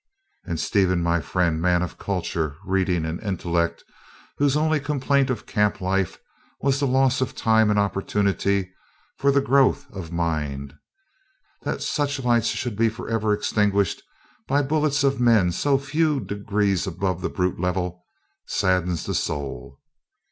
And Stephen, my friend, man of culture, reading, and intellect, whose only complaint of camp life was the loss of time and opportunity for the growth of mind, that such lights should be forever extinguished by the bullets of men so few degrees above the brute level, saddens the soul.